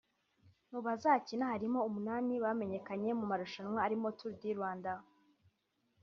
Mu bazakina harimo umunani bamenyekanye mu marushanwa arimo Tour du Rwanda